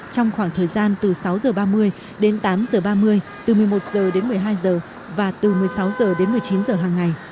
trong khoảng thời gian từ sáu h ba mươi đến tám h ba mươi từ một mươi một h đến một mươi hai h và từ một mươi sáu h đến một mươi chín h hàng ngày